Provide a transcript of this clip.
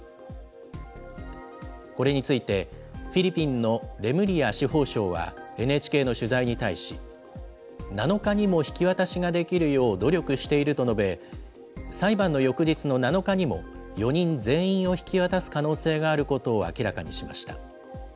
これについて、フィリピンのレムリア司法相はＮＨＫの取材に対し、７日にも引き渡しができるよう努力していると述べ、裁判の翌日の７日にも、４人全員を引き渡す可能性があることを明らかにしました。